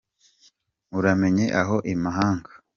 Uramenye aho imahanga